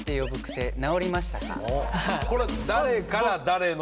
これ誰から誰への質問？